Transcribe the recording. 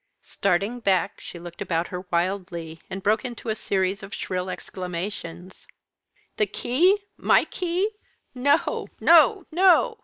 Starting back, she looked about her wildly, and broke into a series of shrill exclamations. "The key! my key! no! no!